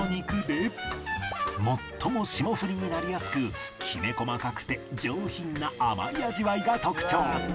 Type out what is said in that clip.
最も霜降りになりやすくきめ細かくて上品な甘い味わいが特徴